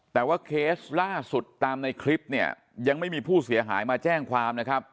แต่ว่าเคสล่าสุดตามในคลิปเนี่ยยังไม่มีผู้เสียหายมาแจ้งความนะครับ